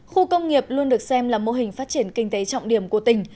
khu công nghiệp luôn được xem là mô hình phát triển kinh tế trọng điểm của tỉnh